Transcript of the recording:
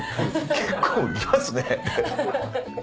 結構入れますね。